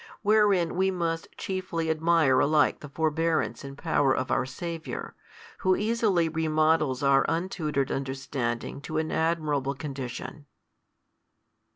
Wherein we must chiefly admire alike the forbearance and power of our Saviour, who easily remodels our untutored understanding to an admirable condition.